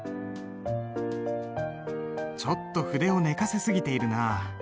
ちょっと筆を寝かせ過ぎているな。